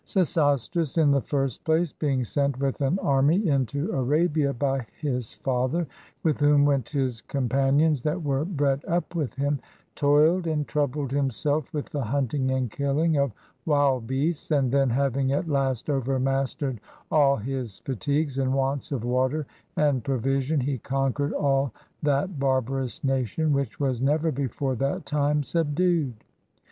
Sesostris, in the first place, being sent with an army into Arabia by his father (with whom went his compan 89 EGYPT ions that were bred up with him), toiled and troubled himself with the hunting and killing of wild beasts; and then, having at last overmastered all his fatigues and wants of water and provision, he conquered all that bar barous nation which was never before that time sub dued.